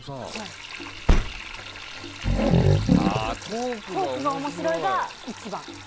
トークが面白いが一番。